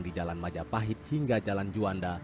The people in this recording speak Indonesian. di jalan majapahit hingga jalan juanda